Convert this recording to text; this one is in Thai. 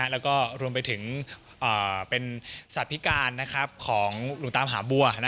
แล้วก็รวมไปถึงเป็นสัตว์พิการของหลวงตามหาบัว